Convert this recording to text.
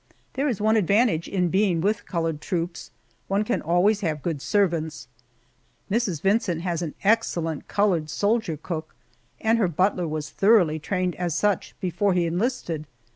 There is one advantage in being with colored troops one can always have good servants. Mrs. Vincent has an excellent colored soldier cook, and her butler was thoroughly trained as such before he enlisted.